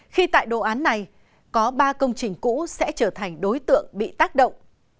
khi tại đồ án này có ba công trình cũ sẽ trở thành đối tượng bị tác động